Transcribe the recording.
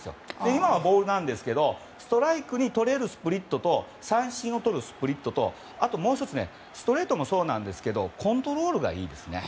今はボールなんですけどストライクをとれるスプリットと三振をとるスプリットともう１つ、ストレートもですがコントロールがいいんですね。